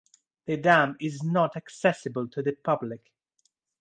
The dam is not accessible to the public.